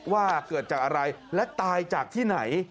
ว่าเกิดจากอะไรและตายจากที่ไหน